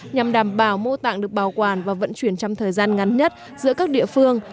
nhằm đảm bảo mô tạng được bảo quản và vận chuyển trong thời gian ngắn nhất giữa các địa phương